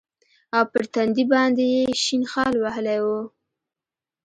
او پر تندي باندې يې شين خال وهلى و.